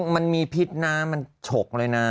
มันมีพิษนะมันฉกเลยนะ